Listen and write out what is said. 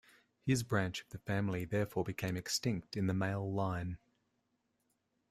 His branch of the family therefore became extinct in the male line.